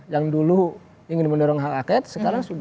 yang dulu ingin mendorong hak angket sekarang sudah